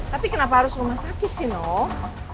tapi kenapa harus rumah sakit sih nong